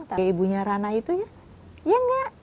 tapi ibunya rana itu ya enggak